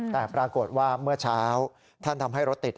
แต่ปรากฏว่าเมื่อเช้าท่านทำให้รถติด